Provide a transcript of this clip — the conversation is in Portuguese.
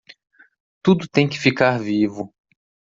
Tudo tem que ficar vivo